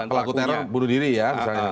kalau pelaku teror bunuh diri ya